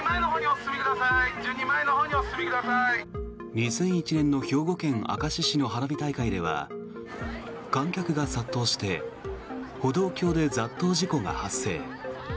２００１年の兵庫県明石市の花火大会では観客が殺到して歩道橋で雑踏事故が発生。